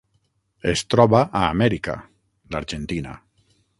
Es troba a Amèrica: l'Argentina.